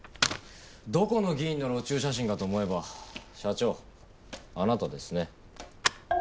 どこの議員の路チュー写真かと思えば社長あなたですね？